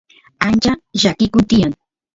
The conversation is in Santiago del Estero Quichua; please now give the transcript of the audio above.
ancha llakikun tiyan